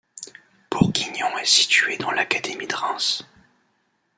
Bourguignons est située dans l'académie de Reims.